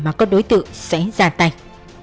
mà các đối tượng sẽ ra tạch